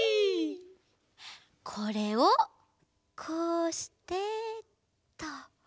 これをこうしてっと。